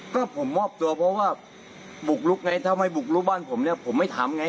ก็ผมมอบตัวเพราะว่าบุกลุกไงถ้าไม่บุกลุกบ้านผมเนี่ยผมไม่ทำไง